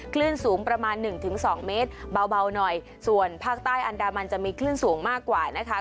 คลื่นสูงประมาณหนึ่งถึงสองเมตรเบาหน่อยส่วนภาคใต้อันดามันจะมีคลื่นสูงมากกว่านะคะ